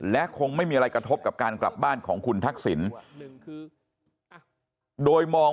และคงไม่มีอะไรกระทบกับการกลับบ้านของคุณทักษิณโดยมอง